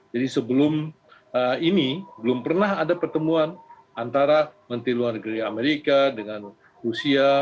jadi sebelum ini belum pernah ada pertemuan antara menteri luar negeri amerika dengan rusia